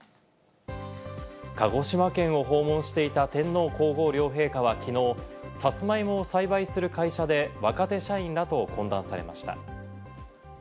鹿児島県を訪問していた天皇皇后両陛下はきのう、さつまいもを栽培する会社で若手社員らと懇談されました。